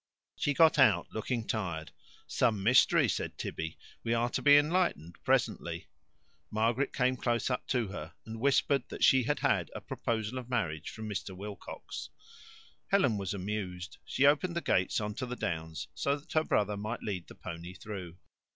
She got out, looking tired. "Some mystery," said Tibby. "We are to be enlightened presently." Margaret came close up to her and whispered that she had had a proposal of marriage from Mr. Wilcox. Helen was amused. She opened the gate on to the downs so that her brother might lead the pony through.